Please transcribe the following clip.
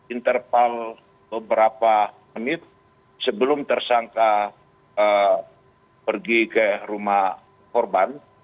interval beberapa menit sebelum tersangka pergi ke rumah korban